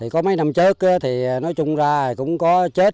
có mấy năm trước thì nói chung ra cũng có chết